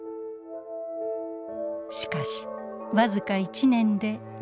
しかし僅か１年で離婚。